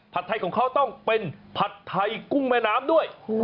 ไทยของเขาต้องเป็นผัดไทยกุ้งแม่น้ำด้วย